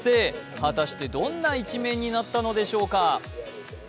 果たしてどんな一面になったのでしょうか。